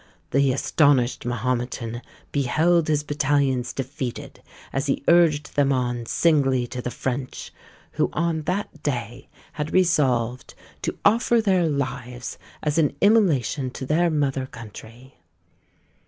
The astonished Mahometan beheld his battalions defeated as he urged them on singly to the French, who on that day had resolved to offer their lives as an immolation to their mother country.